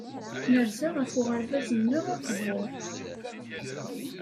Nerza ɣef uɣerbaz-nneɣ aqbur.